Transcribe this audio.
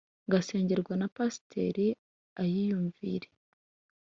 Ngasengerwa na pasiteri Uriyumvire.